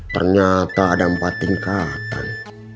ternyata ada empat tingkatan